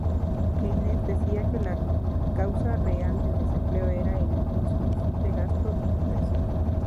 Keynes decía que la causa real del desempleo era el insuficiente gasto en inversión.